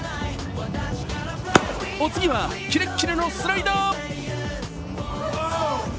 お次はキレッキレのスライダー。